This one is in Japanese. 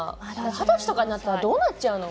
２０歳とかになったらどうなっちゃうの？